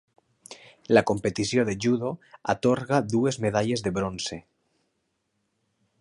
La competició de judo atorga dues medalles de bronze.